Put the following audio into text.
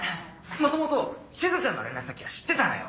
元々しずちゃんの連絡先は知ってたのよ。